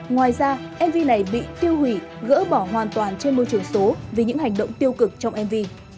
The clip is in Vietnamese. ngoài ra mv này bị tiêu hủy gỡ bỏ hoàn toàn trên môi trường số vì những hành động tiêu cực trong mv